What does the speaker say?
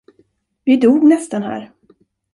Vi dog nästan här!